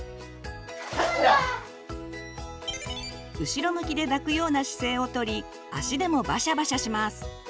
後ろ向きで抱くような姿勢をとり足でもバシャバシャします。